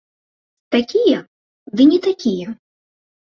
Такія, ды не такія.